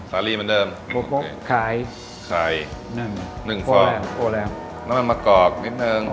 สาลีเหมือนเดิมปุ๊บปุ๊บไข่ไข่หนึ่งหนึ่งน้ำมันมะกอกนิดนึง